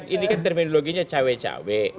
ini kan terminologinya cawe cawe